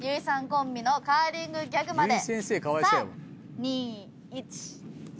コンビのカーリングギャグまで３・２・１。